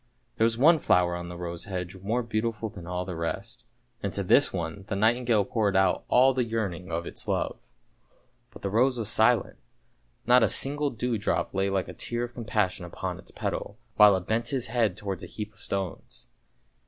There was one flower on the rose hedge more beautiful than all the rest, and to this one the nightingale poured out all the yearning of its love. But the rose was silent, not a single dew drop lay like a tear of com passion upon its petals, while it bent his head towards a heap of stones.